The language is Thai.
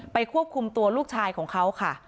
ควบคุมตัวลูกชายของเขาค่ะ